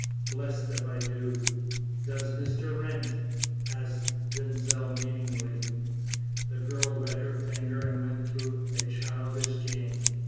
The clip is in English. "Blest if I do!" "Does Mr. Wrent?" asked Denzil meaningly. The girl wet her finger and went through a childish game.